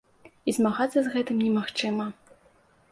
І змагацца з гэтым немагчыма.